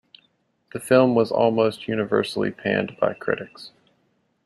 The film was almost universally panned by critics.